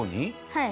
はい。